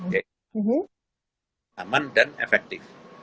yaitu aman dan efektif